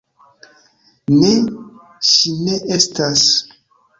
Ne, ŝi ne estas.